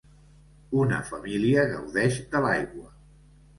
Una família gaudeix de l'aigua.